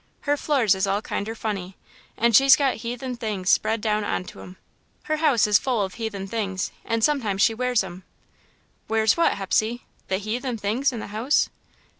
Her floors is all kinder funny, and she's got heathen things spread down onto'em. Her house is full of heathen things, and sometimes she wears'em." "Wears what, Hepsey? The 'heathen things' in the house?"